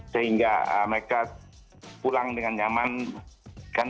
sehingga mereka pulang dengan nyaman